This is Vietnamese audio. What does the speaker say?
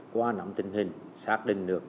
qua nắm tình hình xác định được